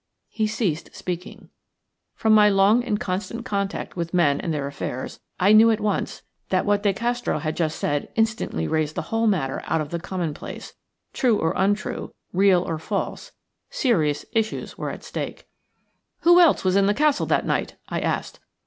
He ceased speaking. "HE DASHED HEADLONG DOWN." From my long and constant contact with men and their affairs, I knew at once that what De Castro had just said instantly raised the whole matter out of the commonplace; true or untrue, real or false, serious issues were at stake. "Who else was in the castle that night?" I asked.